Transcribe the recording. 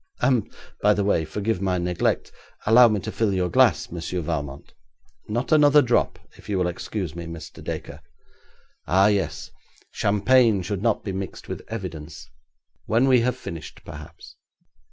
And, by the way, forgive my neglect, allow me to fill your glass, Monsieur Valmont.' 'Not another drop, if you will excuse me, Mr. Dacre.' 'Ah, yes, champagne should not be mixed with evidence. When we have finished, perhaps.